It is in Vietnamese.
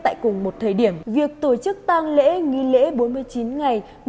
tại cùng một thời điểm việc tổ chức tăng lễ nghi lễ bốn mươi chín ngày